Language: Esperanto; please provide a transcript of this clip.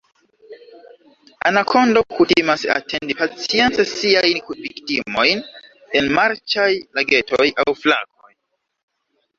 Anakondo kutimas atendi pacience siajn viktimojn en marĉaj lagetoj aŭ flakoj.